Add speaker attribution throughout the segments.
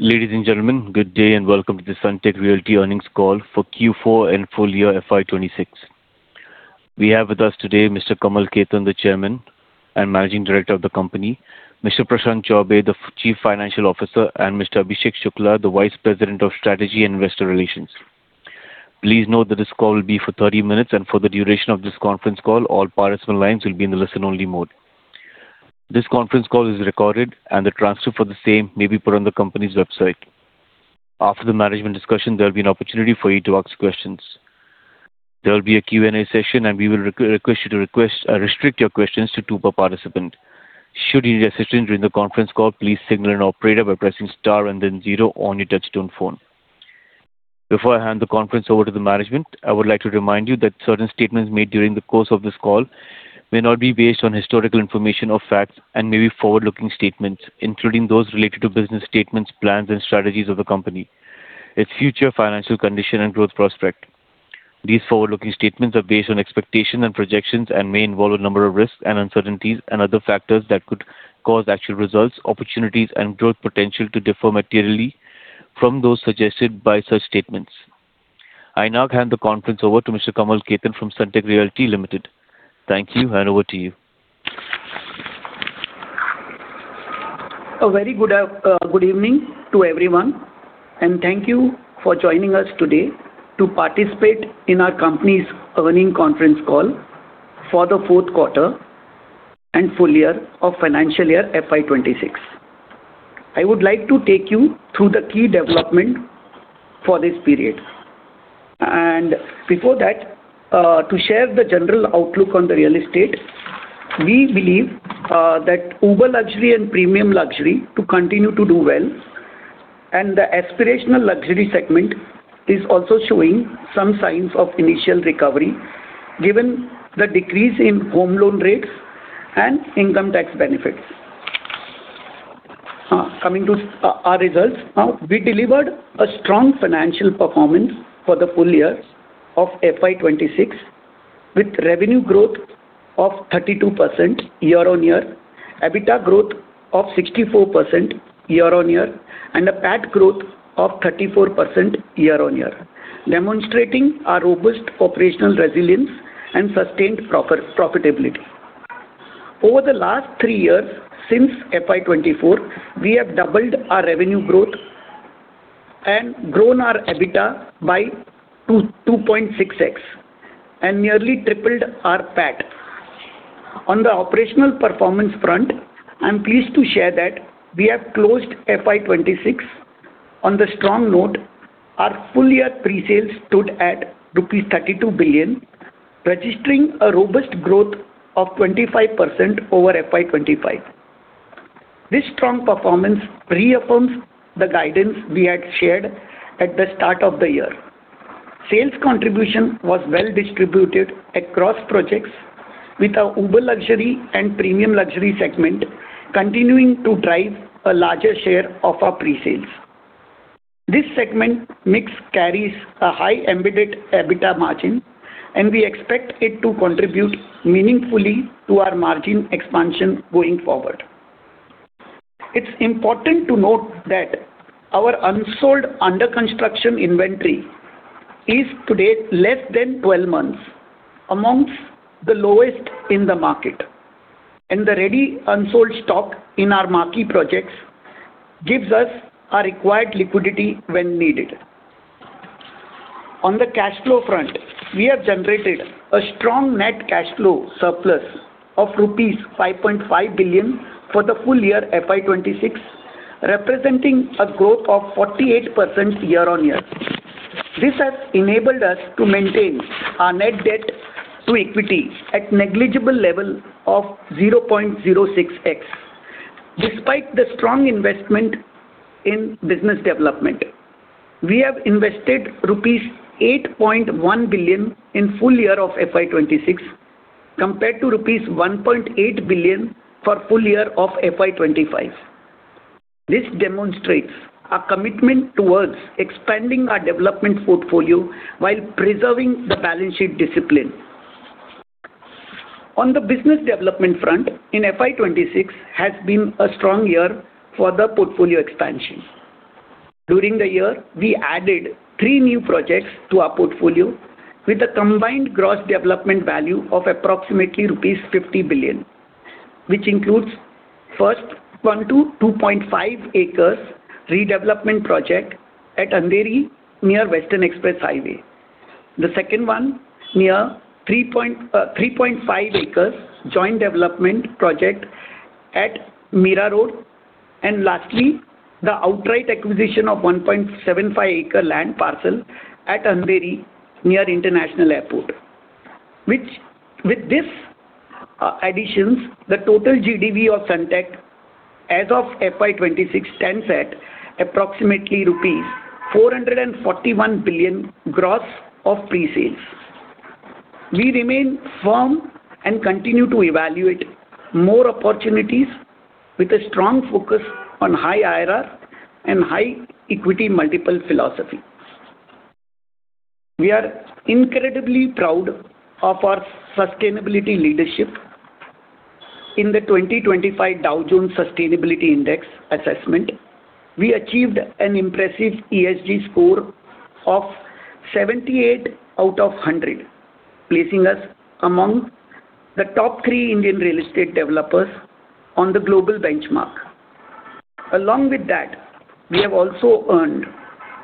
Speaker 1: Ladies and gentlemen, good day and welcome to the Sunteck Realty earnings call for Q4 and full year FY26. We have with us today Mr. Kamal Khetan, the Chairman and Managing Director of the company, Mr. Prashant Chaubey, the Chief Financial Officer, and Mr. Abhishek Shukla, the Vice President of Strategy and Investor Relations. Please note that this call will be for 30 minutes, and for the duration of this conference call, all participant lines will be in the listen-only mode. This conference call is recorded, and the transcript for the same may be put on the company's website. After the management discussion, there'll be an opportunity for you to ask questions. There'll be a Q&A session, and we will restrict your questions to two per participant. Should you need assistance during the conference call, please signal an operator by pressing star and then zero on your touchtone phone. Before I hand the conference over to the management, I would like to remind you that certain statements made during the course of this call may not be based on historical information or facts, and may be forward-looking statements, including those related to business statements, plans, and strategies of the company, its future financial condition, and growth prospect. These forward-looking statements are based on expectations and projections and may involve a number of risks and uncertainties and other factors that could cause actual results, opportunities, and growth potential to differ materially from those suggested by such statements. I now hand the conference over to Mr. Kamal Khetan from Sunteck Realty Limited. Thank you, and over to you.
Speaker 2: A very good evening to everyone, and thank you for joining us today to participate in our company's earnings conference call for the fourth quarter and full year of financial year FY26. I would like to take you through the key developments for this period. Before that, to share the general outlook on the real estate. We believe that Uber Luxury and Premium Luxury to continue to do well, and the Aspirational Luxury segment is also showing some signs of initial recovery given the decrease in home loan rates and income tax benefits. Coming to our results. We delivered a strong financial performance for the full year of FY26, with revenue growth of 32% year-on-year, EBITDA growth of 64% year-on-year, and a PAT growth of 34% year-on-year, demonstrating our robust operational resilience and sustained profitability. Over the last three years, since FY24, we have doubled our revenue growth and grown our EBITDA by 2.6x, and nearly tripled our PAT. On the operational performance front, I'm pleased to share that we have closed FY26 on a strong note. Our full year pre-sales stood at rupees 32 billion, registering a robust growth of 25% over FY25. This strong performance reaffirms the guidance we had shared at the start of the year. Sales contribution was well distributed across projects with our Uber Luxury and Premium Luxury segment continuing to drive a larger share of our pre-sales. This segment mix carries a high embedded EBITDA margin, and we expect it to contribute meaningfully to our margin expansion going forward. It's important to note that our unsold under-construction inventory is today less than 12 months, among the lowest in the market, and the ready unsold stock in our marquee projects gives us a required liquidity when needed. On the cash flow front, we have generated a strong net cash flow surplus of rupees 5.5 billion for the full year FY26, representing a growth of 48% year-on-year. This has enabled us to maintain our net debt to equity at negligible level of 0.06x, despite the strong investment in business development. We have invested rupees 8.1 billion in full year of FY26 compared to rupees 1.8 billion for full year of FY25. This demonstrates our commitment towards expanding our development portfolio while preserving the balance sheet discipline. On the business development front, FY26 has been a strong year for the portfolio expansion. During the year, we added three new projects to our portfolio with a combined gross development value of approximately rupees 50 billion, which includes first 1-2.5 acres redevelopment project at Andheri near Western Express Highway. The second one, nearly 3.5 acres joint development project at Mira Road. Lastly, the outright acquisition of 1.75-acre land parcel at Andheri near International Airport. With these additions, the total GDV of Sunteck as of FY26 stands at approximately rupees 441 billion gross of pre-sales. We remain firm and continue to evaluate more opportunities with a strong focus on high IRR and high equity multiple philosophy. We are incredibly proud of our sustainability leadership. In the 2025 Dow Jones Sustainability Index assessment, we achieved an impressive ESG score of 78 out of 100, placing us among the top three Indian real estate developers on the global benchmark. Along with that, we have also earned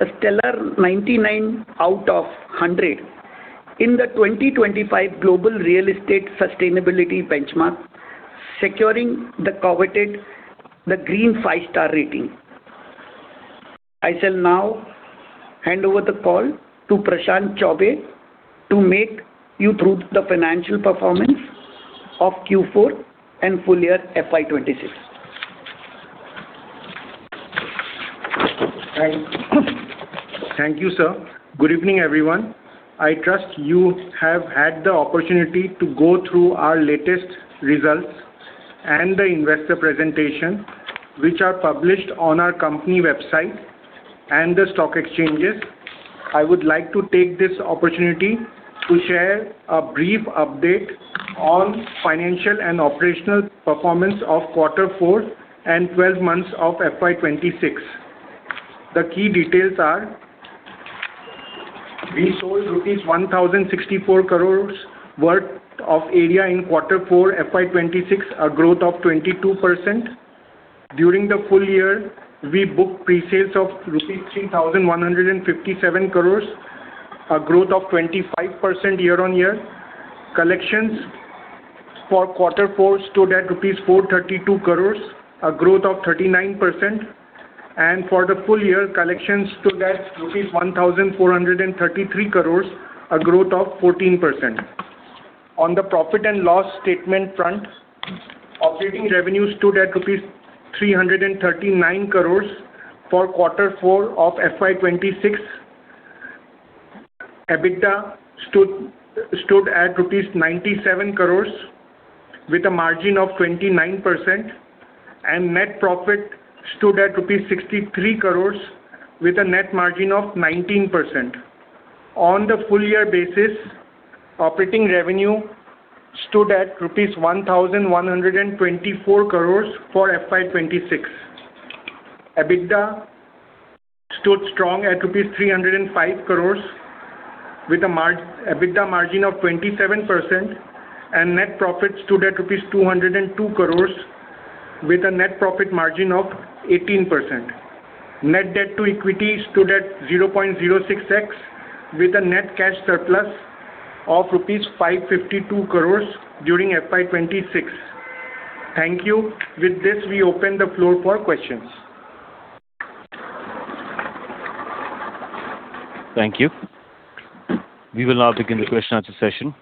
Speaker 2: a stellar 99 out of 100 in the 2025 Global Real Estate Sustainability Benchmark, securing the coveted the Green Five Star rating. I shall now hand over the call to Prashant Chaubey to take you through the financial performance of Q4 and full year FY26.
Speaker 3: Thank you, sir. Good evening, everyone. I trust you have had the opportunity to go through our latest results and the investor presentation, which are published on our company website and the stock exchanges. I would like to take this opportunity to share a brief update on financial and operational performance of quarter four and 12 months of FY26. The key details are. We sold rupees 1,064 crores worth of area in quarter four FY26, a growth of 22%. During the full year, we booked pre-sales of rupees 3,157 crores, a growth of 25% year-on-year. Collections for quarter four stood at rupees 432 crores, a growth of 39%. For the full year, collections stood at rupees 1,433 crores, a growth of 14%. On the profit and loss statement front, operating revenues stood at rupees 339 crores for quarter four of FY26. EBITDA stood at rupees 97 crores with a margin of 29%, and net profit stood at rupees 63 crores with a net margin of 19%. On the full year basis, operating revenue stood at rupees 1,124 crores for FY26. EBITDA stood strong at rupees 305 crores with an EBITDA margin of 27%, and net profit stood at rupees 202 crores with a net profit margin of 18%. Net debt to equity stood at 0.06x with a net cash surplus of rupees 552 crores during FY26. Thank you. With this, we open the floor for questions.
Speaker 1: Thank you. We will now begin the question and answer session.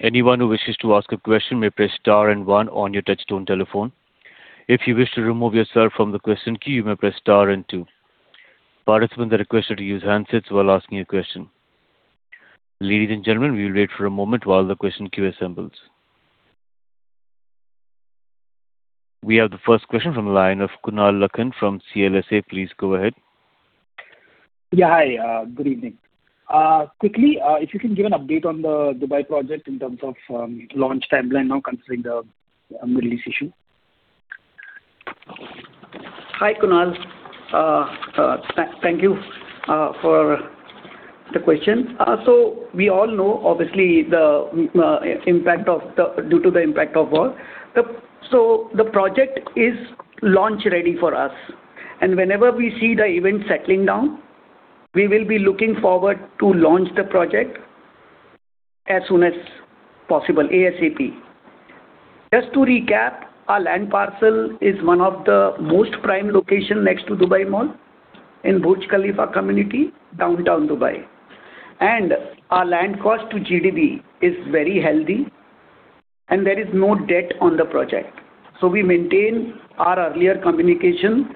Speaker 1: Anyone who wishes to ask a question may press star and one on your touch-tone telephone. If you wish to remove yourself from the question queue, you may press star and two. Participants are requested to use handsets while asking a question. Ladies and gentlemen, we will wait for a moment while the question queue assembles. We have the first question from the line of Kunal Lakhan from CLSA. Please go ahead.
Speaker 4: Yeah. Hi. Good evening. Quickly, if you can give an update on the Dubai project in terms of launch timeline now considering the Middle East issue.
Speaker 2: Hi, Kunal. Thank you for the question. We all know, obviously, due to the impact of war. The project is launch ready for us, and whenever we see the event settling down, we will be looking forward to launch the project as soon as possible, ASAP. Just to recap, our land parcel is one of the most prime location next to Dubai Mall in Burj Khalifa community, Downtown Dubai. Our land cost to GDV is very healthy, and there is no debt on the project. We maintain our earlier communication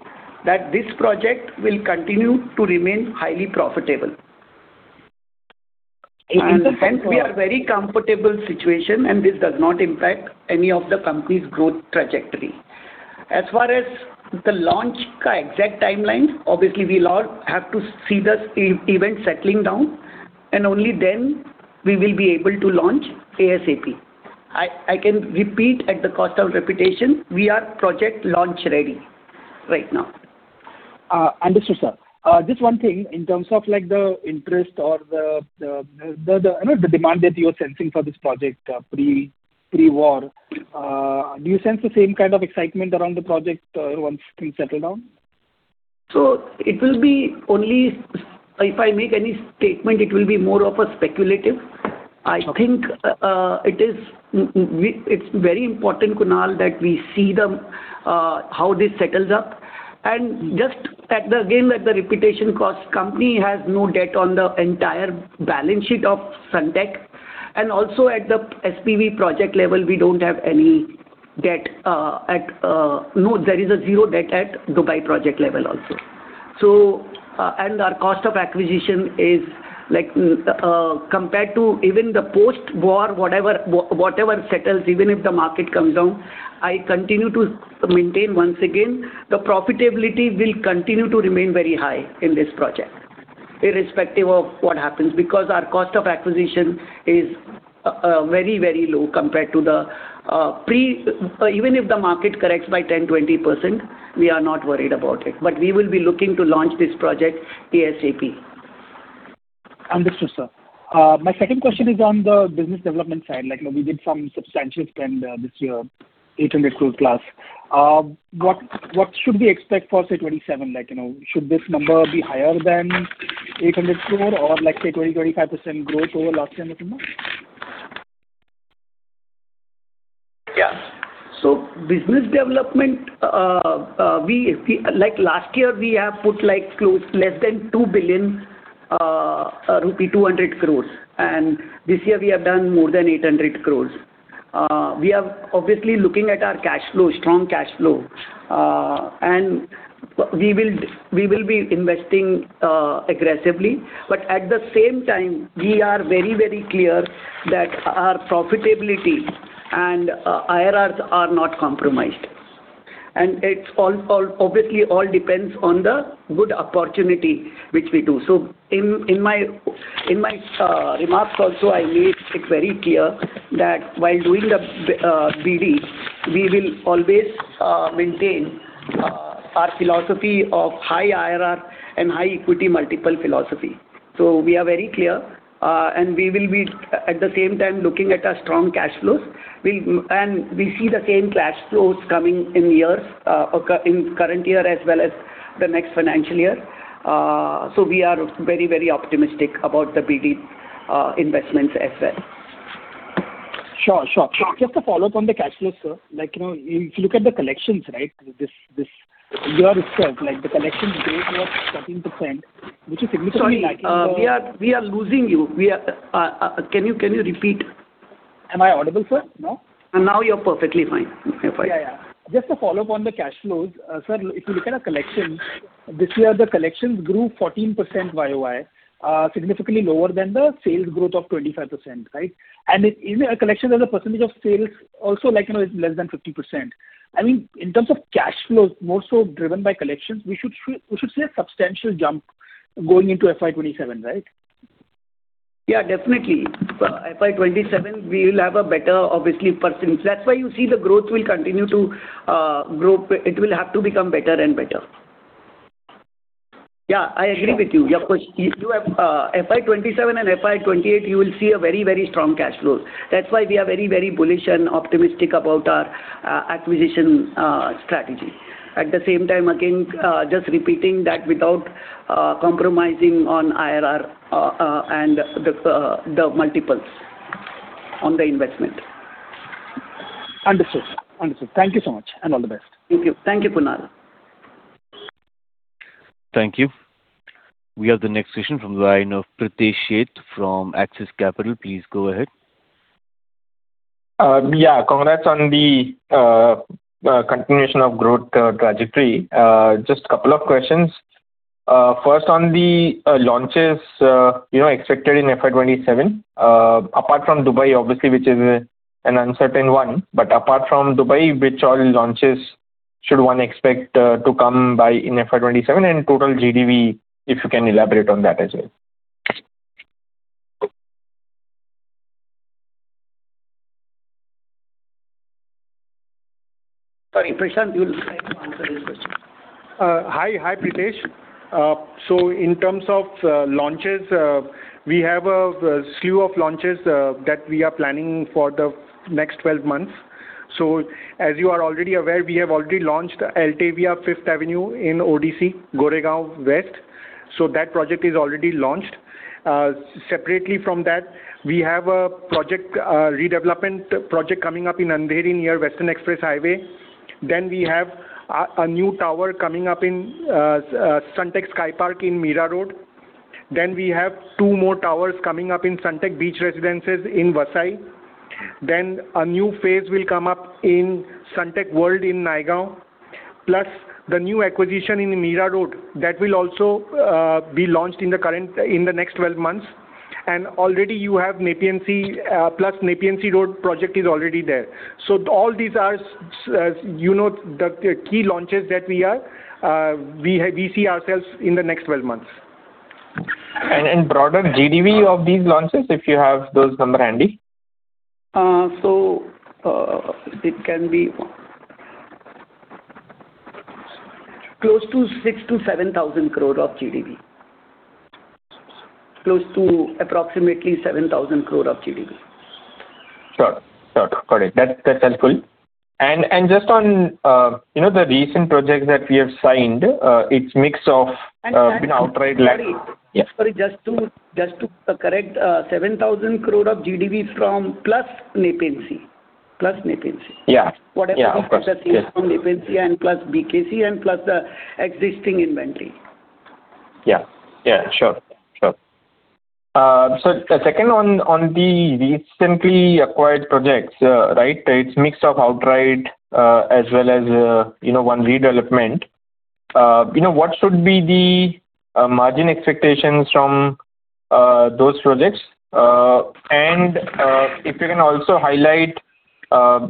Speaker 2: that this project will continue to remain highly profitable. Hence, we are very comfortable situation, and this does not impact any of the company's growth trajectory. As far as the launch exact timeline, obviously we'll have to see this event settling down, and only then we will be able to launch ASAP. I can repeat at the cost of repetition, we are project launch ready right now.
Speaker 4: Understood, sir. Just one thing in terms of the interest or the demand that you're sensing for this project pre-war. Do you sense the same kind of excitement around the project once things settle down?
Speaker 2: If I make any statement, it will be more of a speculative.
Speaker 4: Okay.
Speaker 2: I think it's very important, Kunal, that we see how this settles up. Just, again, at the risk of repetition, company has no debt on the entire balance sheet of Sunteck. Also at the SPV project level, we don't have any debt. No, there is a zero debt at Dubai project level also. Our cost of acquisition is, compared to even the post-war, whatever settles, even if the market comes down, I continue to maintain, once again, the profitability will continue to remain very high in this project. Irrespective of what happens, because our cost of acquisition is very low compared to the pre. Even if the market corrects by 10%, 20%, we are not worried about it. We will be looking to launch this project ASAP.
Speaker 4: Understood, sir. My second question is on the business development side. We did some substantial spend this year, 800 crore plus. What should we expect for, say, 2027? Should this number be higher than 800 crore or let's say 20%-25% growth over last year minimum?
Speaker 2: Yeah. Business development, like last year, we have put close to less than 2 billion rupee, 200 crores. This year we have done more than 800 crores. We are obviously looking at our strong cash flow. We will be investing aggressively. At the same time, we are very clear that our profitability and IRRs are not compromised. It obviously all depends on the good opportunity which we do. In my remarks also, I made it very clear that while doing the BD, we will always maintain our philosophy of high IRR and high equity multiple philosophy. We are very clear, and we will be at the same time looking at our strong cash flows. We see the same cash flows coming in years, in current year as well as the next financial year. We are very optimistic about the BD investments as well.
Speaker 4: Sure. Just a follow-up on the cash flows, sir. If you look at the collections, this year itself, the collections growth was 13%, which is significantly
Speaker 2: Sorry, we are losing you. Can you repeat?
Speaker 4: Am I audible, sir now?
Speaker 2: Now you're perfectly fine. You're fine.
Speaker 4: Yeah. Just a follow-up on the cash flows. Sir, if you look at our collections, this year the collections grew 14% YoY, significantly lower than the sales growth of 25%, right? And even our collections as a percentage of sales, also is less than 50%. In terms of cash flows, more so driven by collections, we should see a substantial jump going into FY27, right?
Speaker 2: Yeah, definitely. FY27, we will have a better, obviously percentage. That's why you see the growth will continue to grow. It will have to become better and better. Yeah, I agree with you. Of course. FY27 and FY28, you will see a very strong cash flow. That's why we are very bullish and optimistic about our acquisition strategy. At the same time, again, just repeating that without compromising on IRR and the multiples on the investment.
Speaker 4: Understood. Thank you so much, and all the best.
Speaker 2: Thank you. Thank you, Kunal.
Speaker 1: Thank you. We have the next question from the line of Pritesh Sheth from Axis Capital. Please go ahead.
Speaker 5: Yeah. Congrats on the continuation of growth trajectory. Just a couple of questions. First, on the launches expected in FY27. Apart from Dubai, obviously, which is an uncertain one, but apart from Dubai, which all launches should one expect to come by in FY27, and total GDV, if you can elaborate on that as well?
Speaker 2: Sorry, Prashant, do you want to answer this question?
Speaker 3: Hi, Pritesh. In terms of launches, we have a slew of launches that we are planning for the next 12 months. As you are already aware, we have already launched Altavia 5th Avenue in ODC, Goregaon West. That project is already launched. Separately from that, we have a redevelopment project coming up in Andheri near Western Express Highway. We have a new tower coming up in Sunteck Sky Park in Mira Road. We have two more towers coming up in Sunteck Beach Residences in Vasai. A new phase will come up in Sunteck World in Naigaon. Plus, the new acquisition in Mira Road, that will also be launched in the next 12 months. Already you have Nepean Sea, plus Nepean Sea Road project is already there. All these are the key launches that we see ourselves in the next 12 months.
Speaker 5: Broader GDV of these launches, if you have those numbers handy?
Speaker 2: It can be close to 6,000 crore-7,000 crore of GDV. Close to approximately 7,000 crore of GDV.
Speaker 5: Sure. Got it. That's helpful. Just on the recent projects that we have signed, it's mix of outright-
Speaker 2: Sorry. Just to correct, 7,000 crore of GDV from plus Nepean Sea.
Speaker 5: Yeah.
Speaker 2: What happens to the sales from Nepean Sea and plus BKC and plus the existing inventory?
Speaker 5: Yeah. Sure. Second, on the recently acquired projects, it's mix of outright as well as one redevelopment. What should be the margin expectations from those projects. And if you can also highlight, while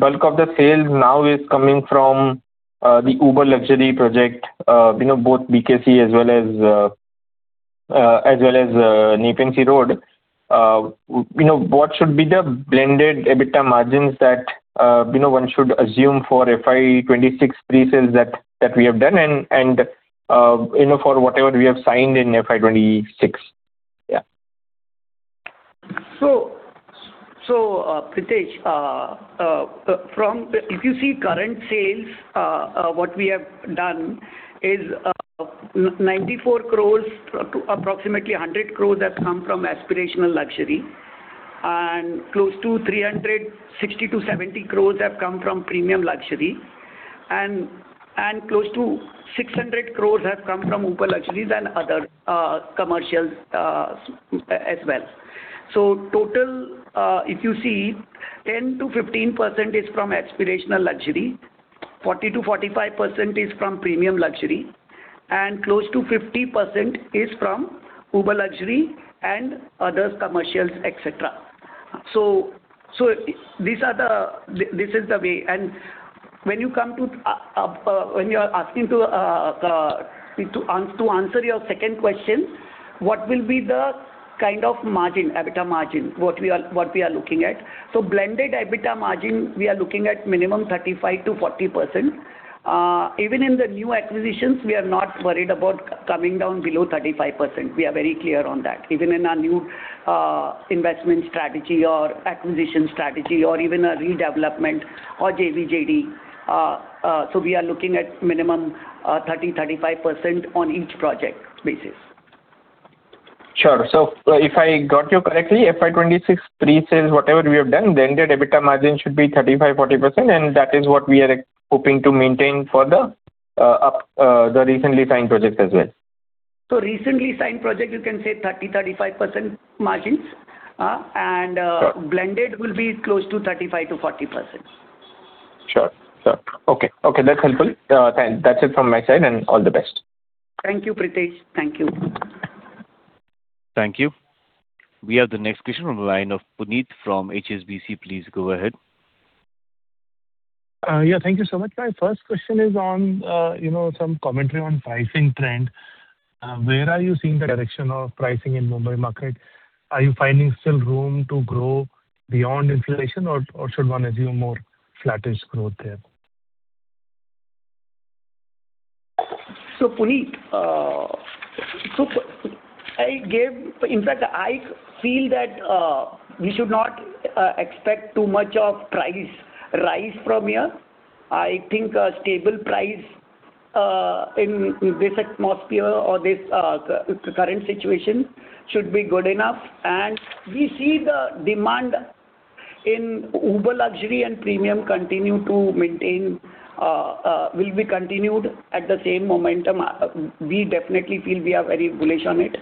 Speaker 5: bulk of the sales now is coming from the Uber Luxury project, both BKC as well as Nepean Sea Road, what should be the blended EBITDA margins that one should assume for FY26 pre-sales that we have done, and for whatever we have signed in FY26? Yeah.
Speaker 2: Pritesh, if you see current sales, what we have done is 94 crore, approximately 100 crore have come from Aspirational Luxury, and close to 360 crore-370 crore have come from Premium Luxury, and close to 600 crore have come from Uber Luxury and other commercials as well. Total, if you see, 10%-15% is from Aspirational Luxury, 40%-45% is from Premium Luxury, and close to 50% is from Uber Luxury and other commercials, et cetera. This is the way. When you are asking to answer your second question, what will be the kind of EBITDA margin, what we are looking at? Blended EBITDA margin, we are looking at minimum 35%-40%. Even in the new acquisitions, we are not worried about coming down below 35%. We are very clear on that, even in our new investment strategy or acquisition strategy or even a redevelopment or JV/JD. We are looking at minimum 30%-35% on each project basis.
Speaker 5: Sure. If I got you correctly, FY26 pre-sales, whatever we have done, the EBITDA margin should be 35%-40%, and that is what we are hoping to maintain for the recently signed projects as well.
Speaker 2: Recently signed project, you can say 30%-35% margins.
Speaker 5: Sure.
Speaker 2: Blended will be close to 35%-40%.
Speaker 5: Sure. Okay. That's helpful. That's it from my side, and all the best.
Speaker 2: Thank you, Pritesh. Thank you.
Speaker 1: Thank you. We have the next question on the line of Puneet from HSBC. Please go ahead.
Speaker 6: Yeah. Thank you so much. My first question is on some commentary on pricing trend. Where are you seeing the direction of pricing in Mumbai market? Are you finding still room to grow beyond inflation or should one assume more flattish growth there?
Speaker 2: Puneet, in fact, I feel that we should not expect too much of price rise from here. I think a stable price in this atmosphere or this current situation should be good enough. We see the demand in Uber Luxury and Premium will be continued at the same momentum. We definitely feel we are very bullish on it.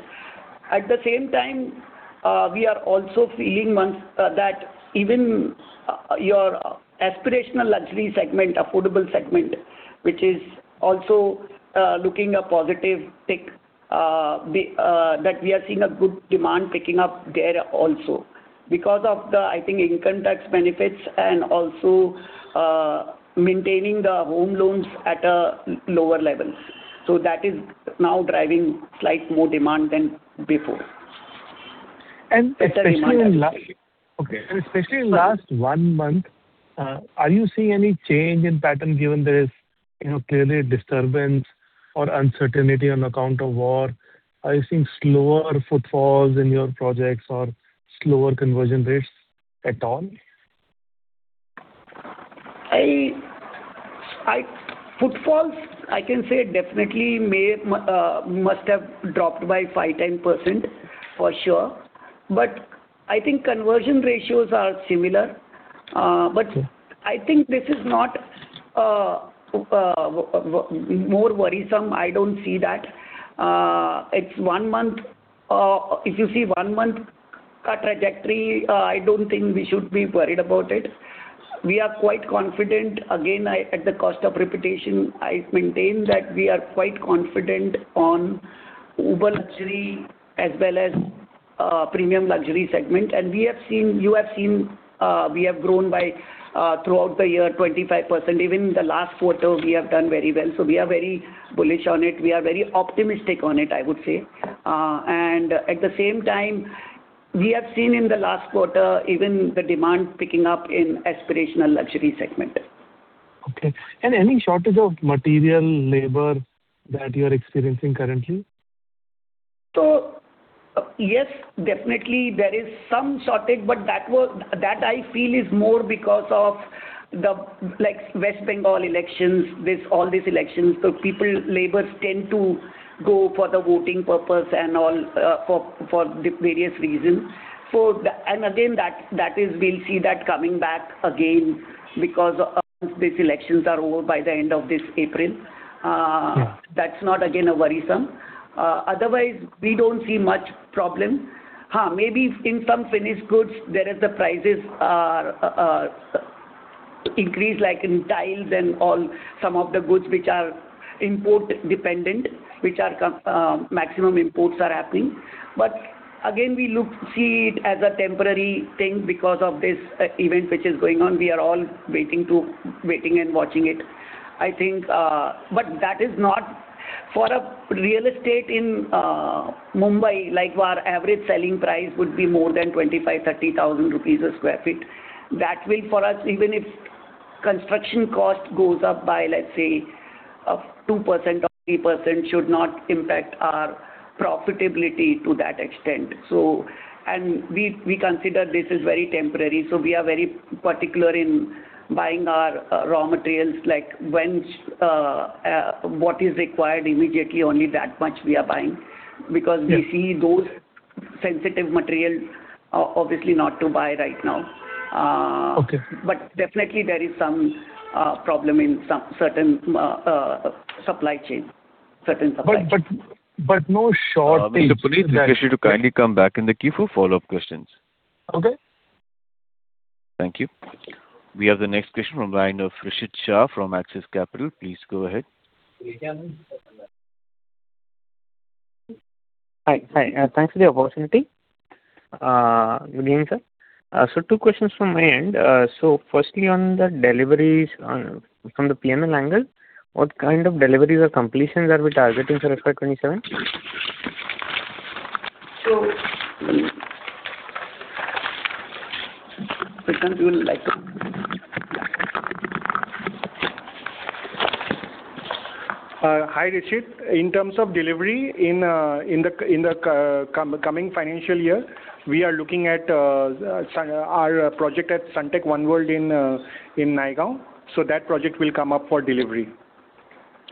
Speaker 2: At the same time, we are also feeling that even your Aspirational Luxury segment, Affordable segment, which is also looking a positive uptick, that we are seeing a good demand picking up there also, because of the, I think, income tax benefits and also maintaining the home loans at a lower level. That is now driving slightly more demand than before.
Speaker 6: Okay. Especially in last one month, are you seeing any change in pattern given there is clearly a disturbance or uncertainty on account of war? Are you seeing slower footfalls in your projects or slower conversion rates at all?
Speaker 2: Footfalls, I can say definitely must have dropped by 5%-10%, for sure. I think conversion ratios are similar. I think this is not more worrisome. I don't see that. If you see one month trajectory, I don't think we should be worried about it. We are quite confident. Again, at the cost of repetition, I maintain that we are quite confident on Uber Luxury as well as Premium Luxury segment. You have seen, we have grown by, throughout the year, 25%. Even in the last quarter, we have done very well. We are very bullish on it. We are very optimistic on it, I would say. At the same time, we have seen in the last quarter even the demand picking up in Aspirational Luxury segment.
Speaker 6: Okay. Any shortage of material, labor that you're experiencing currently?
Speaker 2: Yes, definitely there is some shortage, but that I feel is more because of the West Bengal elections, all these elections. People, labor tend to go for the voting purpose and all for the various reasons. Again, we'll see that coming back again because once these elections are over by the end of this April.
Speaker 6: Yeah.
Speaker 2: That's not again a worrisome. Otherwise, we don't see much problem. Maybe in some finished goods, the prices increase like in tiles and all, some of the goods which are import dependent, maximum imports are happening. We see it as a temporary thing because of this event which is going on. We are all waiting and watching it. That is not for real estate in Mumbai, like our average selling price would be more than 25,000-30,000 rupees of sq ft. That will for us, even if construction cost goes up by, let's say, 2% or 3%, should not impact our profitability to that extent. We consider this as very temporary, so we are very particular in buying our raw materials, like what is required immediately, only that much we are buying. Because we see those sensitive materials, obviously not to buy right now.
Speaker 6: Okay.
Speaker 2: Definitely there is some problem in certain supply chain.
Speaker 6: No short.
Speaker 1: Mr. Puneet, I'd like you to kindly come back in the queue for follow-up questions.
Speaker 6: Okay.
Speaker 1: Thank you. We have the next question from the line of Rishith Shah from Axis Capital. Please go ahead.
Speaker 7: Hi. Thanks for the opportunity. Good evening, sir. Two questions from my end. Firstly, on the deliveries from the P&L angle, what kind of deliveries or completions are we targeting for FY27?
Speaker 2: Prashant, would you like to
Speaker 3: Hi, Rishith. In terms of delivery in the coming financial year, we are looking at our project at Sunteck One World in Naigaon. That project will come up for delivery.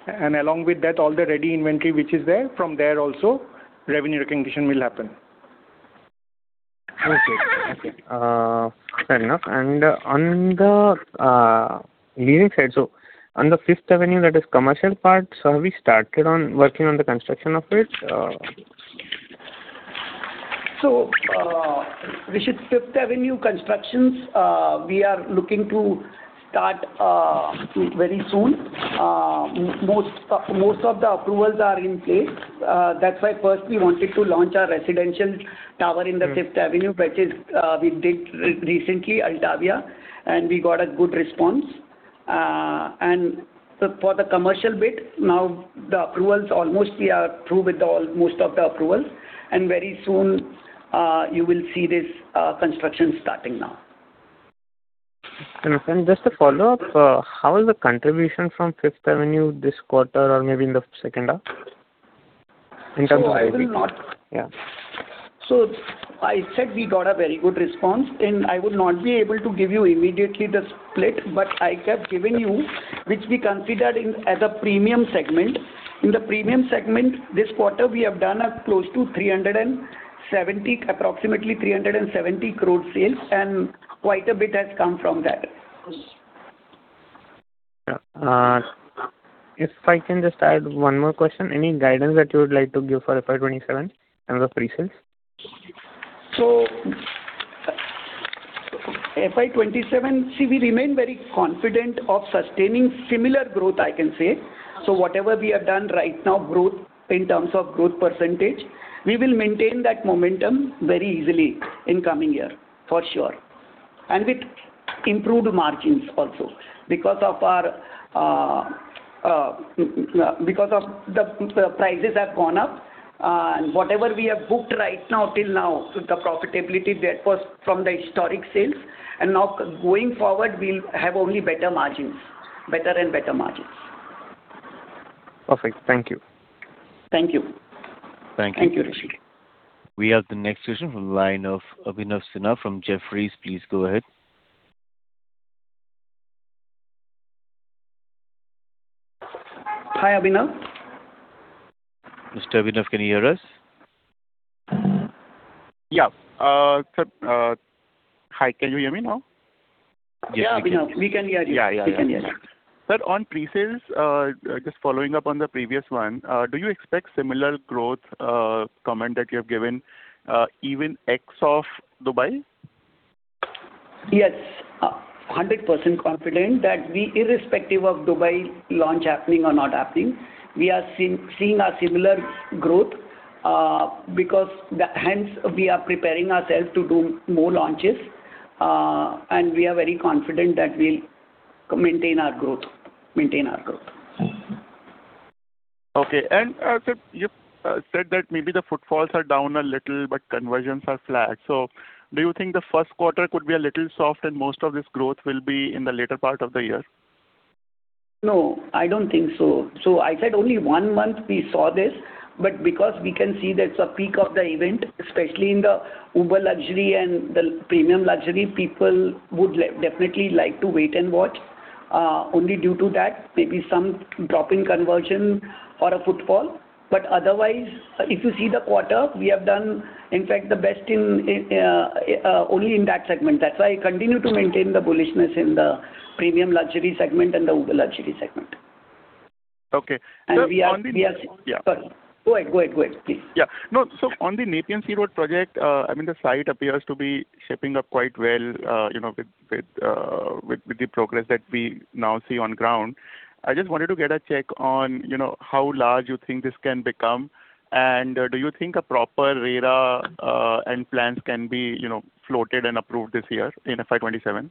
Speaker 3: Along with that, all the ready inventory which is there, from there also, revenue recognition will happen.
Speaker 7: Okay. Fair enough. On the leasing side, so on the 5th Avenue that is commercial part, so have we started on working on the construction of it?
Speaker 2: Rishith, 5th Avenue constructions, we are looking to start very soon. Most of the approvals are in place. That's why first we wanted to launch our residential tower in the 5th Avenue, which we did recently, Altavia, and we got a good response. For the commercial bit, now the approvals, almost we are through with most of the approvals, and very soon, you will see this construction starting now.
Speaker 7: Just a follow-up, how is the contribution from 5th Avenue this quarter or maybe in the second half? In terms of
Speaker 2: I said we got a very good response, and I would not be able to give you immediately the split, but I kept giving you, which we considered as a premium segment. In the premium segment, this quarter, we have done approximately 370 crore sales, and quite a bit has come from that.
Speaker 7: If I can just add one more question, any guidance that you would like to give for FY27 in terms of pre-sales?
Speaker 2: FY27, see, we remain very confident of sustaining similar growth, I can say. Whatever we have done right now, growth in terms of growth percentage, we will maintain that momentum very easily in coming year, for sure. With improved margins also. Because of the prices have gone up, whatever we have booked right now till now, so the profitability that was from the historic sales, and now going forward, we'll have only better margins, better and better margins.
Speaker 7: Perfect. Thank you.
Speaker 2: Thank you.
Speaker 3: Thank you.
Speaker 2: Thank you, Rishith.
Speaker 1: We have the next question from the line of Abhinav Sinha from Jefferies. Please go ahead.
Speaker 2: Hi, Abhinav.
Speaker 1: Mr. Abhinav, can you hear us?
Speaker 8: Yeah. Sir, hi. Can you hear me now?
Speaker 2: Yeah, Abhinav. We can hear you.
Speaker 8: Yeah.
Speaker 2: We can hear you.
Speaker 8: Sir, on pre-sales, just following up on the previous one, do you expect similar growth comment that you have given, even ex of Dubai?
Speaker 2: Yes, 100% confident that we, irrespective of Dubai launch happening or not happening, we are seeing a similar growth. Hence, we are preparing ourselves to do more launches, and we are very confident that we'll maintain our growth.
Speaker 8: Okay. Sir, you said that maybe the footfalls are down a little but conversions are flat. Do you think the first quarter could be a little soft and most of this growth will be in the later part of the year?
Speaker 2: No, I don't think so. I said only one month we saw this, but because we can see that's a peak of the event, especially in the Uber Luxury and the Premium Luxury, people would definitely like to wait and watch. Only due to that, maybe some drop in conversion or a footfall. Otherwise, if you see the quarter, we have done, in fact, the best only in that segment. That's why I continue to maintain the bullishness in the Premium Luxury segment and the Uber Luxury segment.
Speaker 8: Okay.
Speaker 2: And we are-
Speaker 8: On the-
Speaker 2: Sorry. Go ahead, please.
Speaker 8: Yeah. On the Nepean Sea Road project, the site appears to be shaping up quite well with the progress that we now see on ground. I just wanted to get a check on how large you think this can become, and do you think a proper RERA and plans can be floated and approved this year in FY27?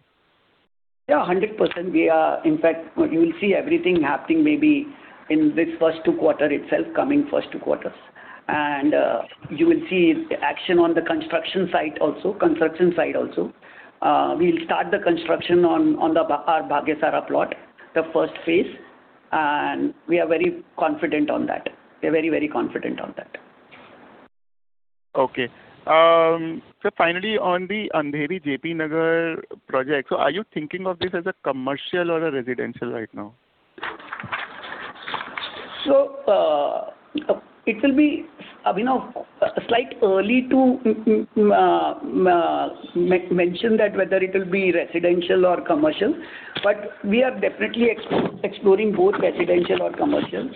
Speaker 2: Yeah, 100%. In fact, you will see everything happening maybe in this first two quarter itself, coming first two quarters. You will see action on the construction site also. We'll start the construction on our Bhagyasara plot, the first phase, and we are very confident on that. We are very confident on that.
Speaker 8: Okay. Finally, on the Andheri JB Nagar project, so are you thinking of this as a commercial or a residential right now?
Speaker 2: It will be, Abhinav, slightly early to mention that whether it will be residential or commercial. We are definitely exploring both residential or commercial.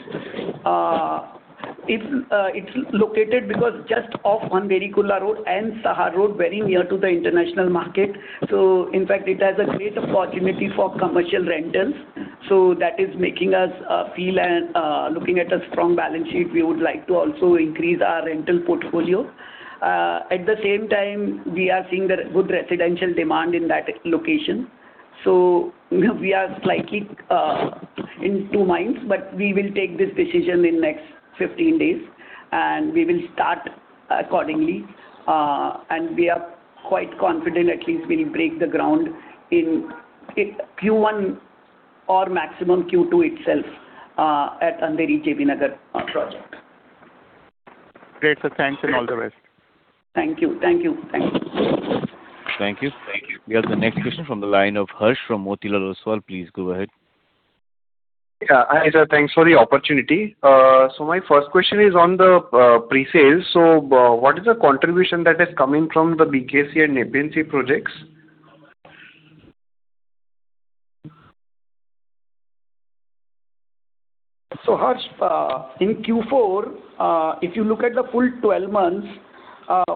Speaker 2: It's located just off Andheri Kurla Road and Sahar Road, very near to the international market. In fact, it has a great opportunity for commercial rentals. That is making us feel, and looking at a strong balance sheet, we would like to also increase our rental portfolio. At the same time, we are seeing the good residential demand in that location. We are slightly in two minds, but we will take this decision in next 15 days, and we will start accordingly. We are quite confident at least we'll break the ground in Q1 or maximum Q2 itself, at Andheri JB Nagar project.
Speaker 8: Great, sir. Thanks, and all the best.
Speaker 2: Thank you.
Speaker 1: Thank you. We have the next question from the line of Harsh from Motilal Oswal. Please go ahead.
Speaker 9: Yeah. Hi, sir. Thanks for the opportunity. My first question is on the pre-sales. What is the contribution that is coming from the BKC and Nepean Sea projects?
Speaker 2: Harsh, in Q4, if you look at the full 12 months,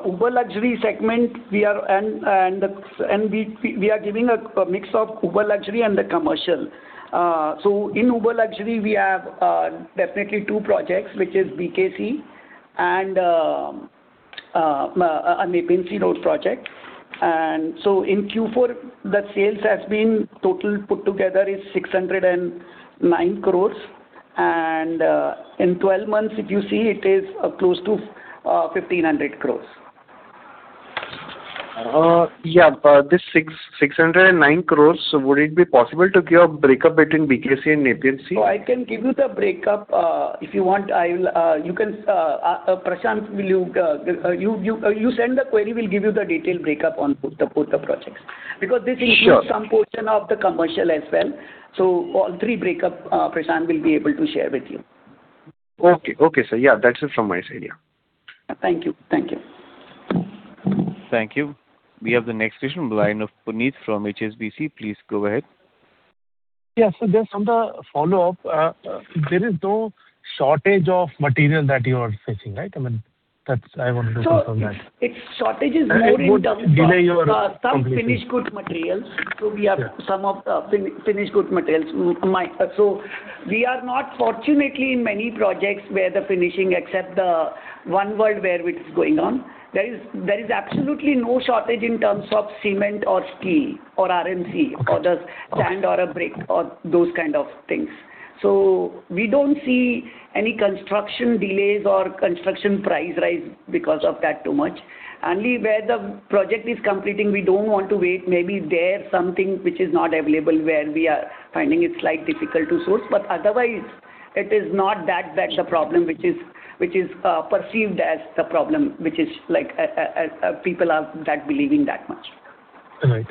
Speaker 2: Uber Luxury segment, we are giving a mix of Uber Luxury and the commercial. In Uber Luxury, we have definitely two projects, which is BKC and a Nepean Sea Road project. In Q4, the sales has been total put together is 609 crore. In 12 months, if you see, it is close to 1,500 crore.
Speaker 9: Yeah. This 609 crores, would it be possible to give a breakup between BKC and Nepean Sea?
Speaker 2: I can give you the breakup. If you want, Prashant, you send the query, we'll give you the detailed breakup on both the projects.
Speaker 9: Sure.
Speaker 2: Because this includes some portion of the commercial as well. All three break-up, Prashant will be able to share with you.
Speaker 9: Okay, sir. Yeah, that's it from my side. Yeah.
Speaker 2: Thank you.
Speaker 1: Thank you. We have the next question on the line of Puneet from HSBC. Please go ahead.
Speaker 6: Yeah, just on the follow-up, there is no shortage of material that you are facing, right? I wanted to confirm that.
Speaker 2: Its shortage is more in terms of.
Speaker 6: It would delay your completion.
Speaker 2: Some finished good materials. We have some of the finished good materials. We are not, fortunately, in many projects where the finishing except the One World where it is going on. There is absolutely no shortage in terms of cement or steel or RMC.
Speaker 6: Okay
Speaker 2: Or the sand or a brick or those kind of things. We don't see any construction delays or construction price rise because of that too much. Only where the project is completing, we don't want to wait. Maybe there's something which is not available where we are finding it slightly difficult to source. Otherwise, it is not that bad, the problem which is perceived as the problem, which is people are believing that much.
Speaker 6: Right.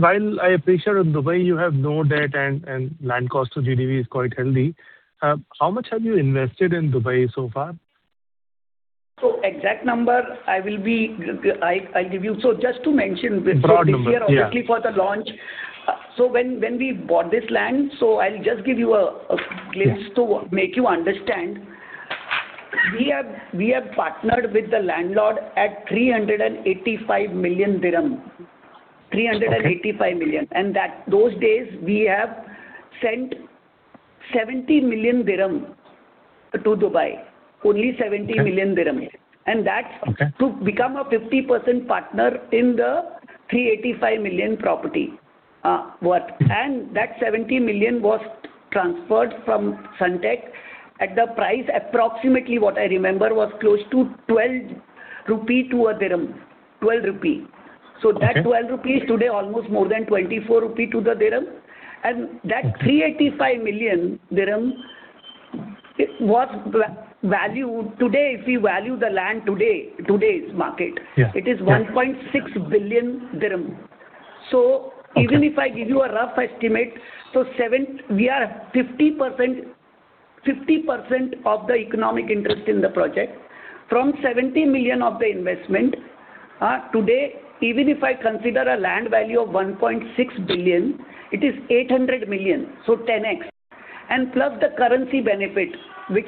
Speaker 6: While I appreciate in Dubai you have no debt and land cost to GDV is quite healthy, how much have you invested in Dubai so far?
Speaker 2: Exact number, I'll give you. Just to mention this.
Speaker 6: Broad number, yeah....
Speaker 2: this year obviously for the launch. When we bought this land, so I'll just give you a glimpse to make you understand. We have partnered with the landlord at 385 million dirham.
Speaker 6: Okay.
Speaker 2: 385 million. Those days we have sent 70 million dirham to Dubai. Only 70 million dirham.
Speaker 6: Okay.
Speaker 2: That's to become a 50% partner in the 385 million property worth. That 70 million was transferred from Sunteck at the price, approximately what I remember was close to 12 rupee to a dirham.
Speaker 6: Okay.
Speaker 2: That 12 rupees is today almost more than 24 rupee to the dirham, and that 385 million dirham was valued. Today, if we value the land today's market-
Speaker 6: Yeah
Speaker 2: It is 1.6 billion dirham.
Speaker 6: Okay.
Speaker 2: Even if I give you a rough estimate, we are 50% of the economic interest in the project. From 70 million of the investment. Today, even if I consider a land value of 1.6 billion, it is 800 million, so 10x. Plus the currency benefit, which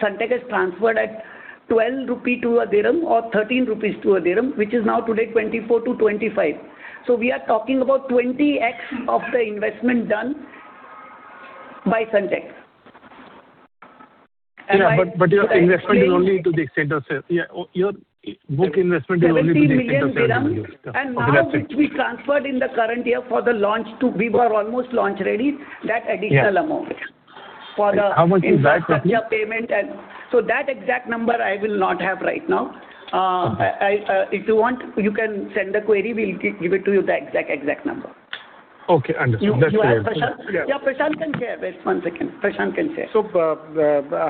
Speaker 2: Sunteck has transferred at 12 rupee to a dirham or 13 rupees to a dirham, which is now today 24-25. We are talking about 20x of the investment done by Sunteck.
Speaker 6: Your book investment is only to the extent of
Speaker 2: 70 million dirhams. Now which we transferred in the current year for the launch, we were almost launch ready, that additional amount.
Speaker 6: Yeah.
Speaker 2: For the-
Speaker 6: How much is that roughly?
Speaker 2: That exact number I will not have right now.
Speaker 6: Okay.
Speaker 2: If you want, you can send a query. We'll give it to you the exact number.
Speaker 6: Okay, understood. That's clear.
Speaker 2: You have Prashant?
Speaker 6: Yeah.
Speaker 2: Yeah, Prashant can share this. One second. Prashant can share.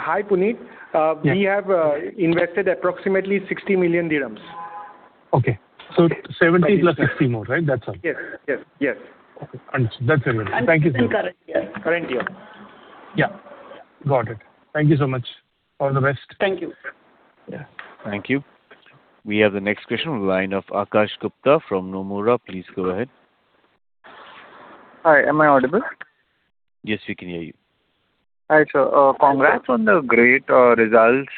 Speaker 3: Hi, Puneet. Yeah. We have invested approximately 60 million dirhams.
Speaker 6: Okay.
Speaker 3: 70 million + 60 million more, right? That's all.
Speaker 6: Yes. Okay. Understood. That's everything. Thank you so much.
Speaker 2: Current year.
Speaker 6: Current year. Yeah. Got it. Thank you so much. All the best.
Speaker 2: Thank you.
Speaker 6: Yeah.
Speaker 1: Thank you. We have the next question on the line of Akash Gupta from Nomura. Please go ahead.
Speaker 10: Hi, am I audible?
Speaker 1: Yes, we can hear you.
Speaker 10: Hi, sir. Congrats on the great results.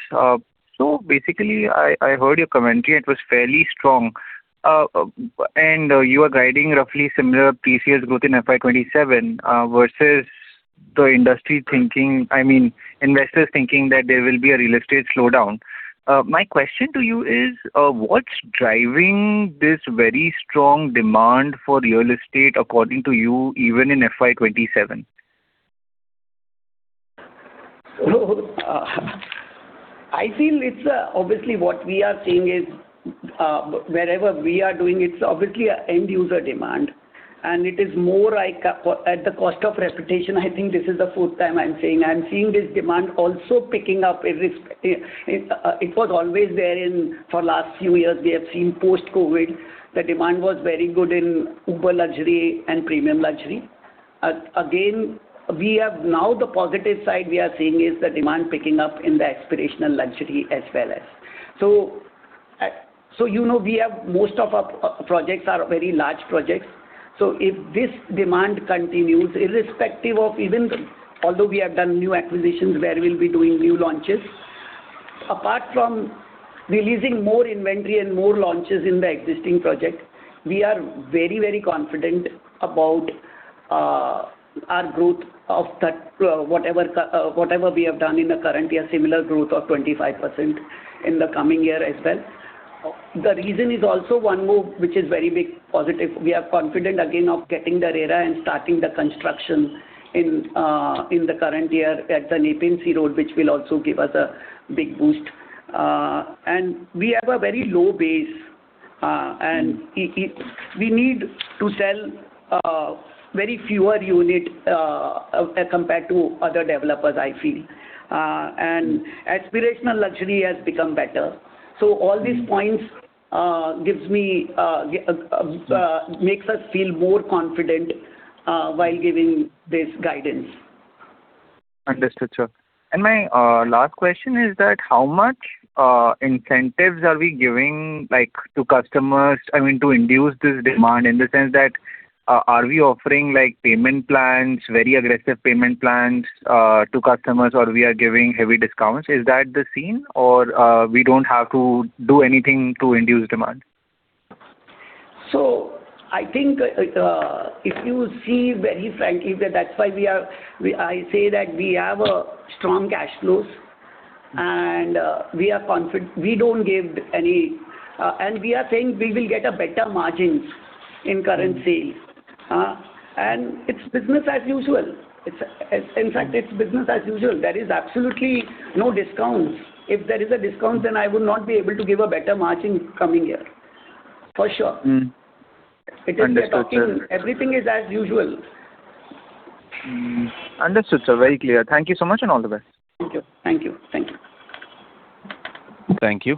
Speaker 10: Basically, I heard your commentary. It was fairly strong. You are guiding roughly similar pre-sales growth in FY27 versus the investors thinking that there will be a real estate slowdown. My question to you is, what's driving this very strong demand for real estate according to you, even in FY27?
Speaker 2: Obviously, what we are seeing is, wherever we are doing, it's obviously an end user demand, and it is more like at the cost of reputation. I think this is the fourth time I'm saying. I'm seeing this demand also picking up. It was always there for last few years. We have seen post-COVID, the demand was very good in Uber Luxury and Premium Luxury. Again, now the positive side we are seeing is the demand picking up in the Aspirational Luxury as well as. Most of our projects are very large projects. If this demand continues, irrespective, although we have done new acquisitions where we'll be doing new launches. Apart from releasing more inventory and more launches in the existing project, we are very confident about our growth of whatever we have done in the current year, similar growth of 25% in the coming year as well. The reason is also one more, which is a very big positive. We are confident again of getting the RERA and starting the construction in the current year at the Nepean Sea Road, which will also give us a big boost. We have a very low base. We need to sell very few units compared to other developers, I feel. Aspirational Luxury has become better. All these points make us feel more confident while giving this guidance.
Speaker 10: Understood, sir. My last question is that how much incentives are we giving to customers to induce this demand? In the sense that, are we offering payment plans, very aggressive payment plans to customers, or we are giving heavy discounts? Is that the scene or we don't have to do anything to induce demand?
Speaker 2: I think if you see very frankly, I say that we have strong cash flows, and we don't give any, and we are saying we will get a better margin in current sale. It's business as usual. In fact, it's business as usual. There is absolutely no discounts. If there is a discount, then I would not be able to give a better margin coming year, for sure.
Speaker 10: Understood, sir.
Speaker 2: Everything is as usual.
Speaker 10: Understood, sir. Very clear. Thank you so much and all the best.
Speaker 2: Thank you.
Speaker 1: Thank you.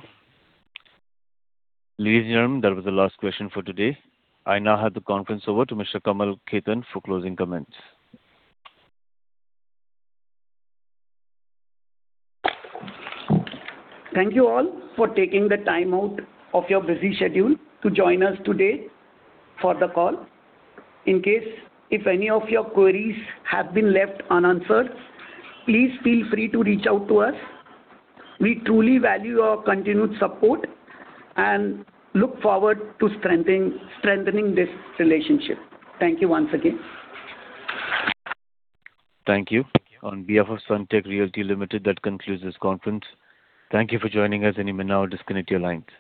Speaker 1: Ladies and gentlemen, that was the last question for today. I now hand the conference over to Mr. Kamal Khetan for closing comments.
Speaker 2: Thank you all for taking the time out of your busy schedule to join us today for the call. In case if any of your queries have been left unanswered, please feel free to reach out to us. We truly value your continued support and look forward to strengthening this relationship. Thank you once again.
Speaker 1: Thank you. On behalf of Sunteck Realty Limited, that concludes this conference. Thank you for joining us. You may now disconnect your lines.